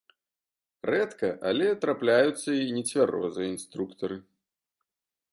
Рэдка, але трапляюцца і нецвярозыя інструктары.